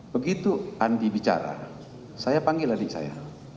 begitu andi bicara saya panggil adik saya